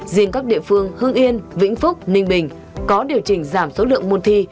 riêng các địa phương hương yên vĩnh phúc ninh bình có điều chỉnh giảm số lượng môn thi